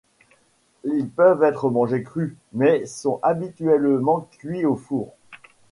Ils peuvent être mangés crus, mais sont habituellement cuits au four.